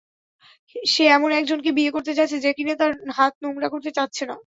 সে এমন একজনকে বিয়ে করতে যাচ্ছে, যেকিনা তার হাত নোংরা করতে চাচ্ছে না।